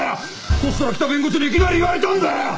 そしたら来た弁護士にいきなり言われたんだよ！